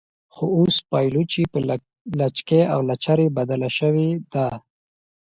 خو اوس پایلوچي په لچکۍ او لچرۍ بدله شوې ده.